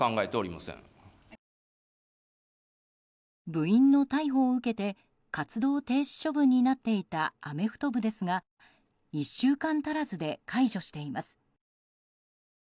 部員の逮捕を受けて活動停止処分になっていたアメフト部ですが１週間足らずで解除しています。